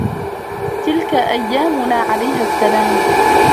تلك أيامنا عليها السلام